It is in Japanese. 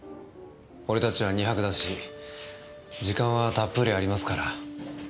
俺たちは２泊だし時間はたっぷりありますから。